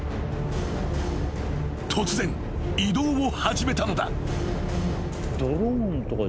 ［突然移動を始めたのだ］